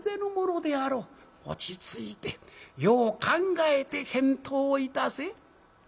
落ち着いてよう考えて返答いたせ」。